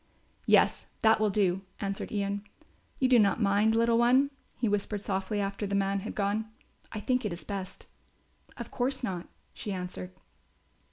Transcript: "Yes, that will do," answered Ian. "You do not mind, little one," he whispered softly after the man had gone. "I think it is best." "Of course not," she answered.